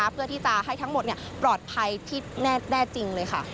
เพื่อที่จะให้ทั้งหมดปลอดภัยที่แน่จริงเลยค่ะ